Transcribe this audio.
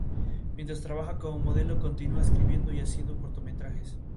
Mientras trabaja como modelo continúa escribiendo y haciendo cortometrajes.